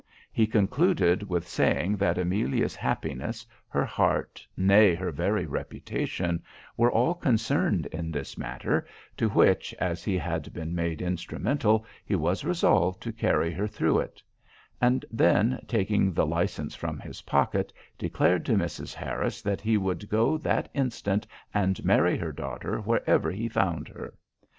He concluded with saying that Amelia's happiness, her heart, nay, her very reputation, were all concerned in this matter, to which, as he had been made instrumental, he was resolved to carry her through it; and then, taking the licence from his pocket, declared to Mrs. Harris that he would go that instant and marry her daughter wherever he found her.